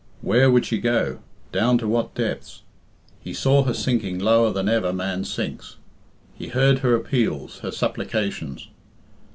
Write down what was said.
Where would she go? Down to what depths? He saw her sinking lower than ever man sinks; he heard her appeals, her supplications.